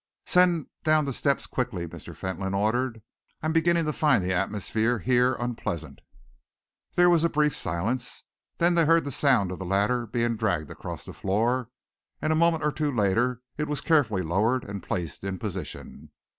"Send down the steps quickly," Mr. Fentolin ordered. "I am beginning to find the atmosphere here unpleasant." There was a brief silence. Then they heard the sound of the ladder being dragged across the floor, and a moment or two later it was carefully lowered and placed in position.